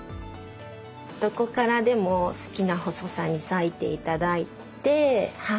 どこからでも好きな細さに裂いて頂いて。